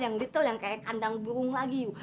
yang kecil yang kayak kandang burung lagi ibu